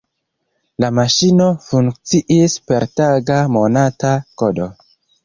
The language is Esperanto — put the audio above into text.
La maŝino funkciis per taga, monata kodo.